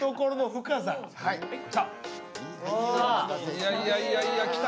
いやいやいやいや。来た。